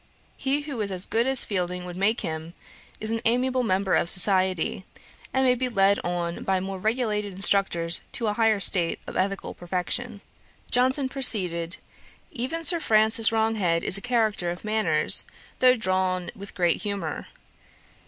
He who is as good as Fielding would make him, is an amiable member of society, and may be led on by more regulated instructors, to a higher state of ethical perfection. Johnson proceeded: 'Even Sir Francis Wronghead is a character of manners, though drawn with great humour.'